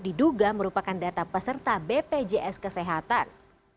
diduga merupakan data peserta bpjs kesehatan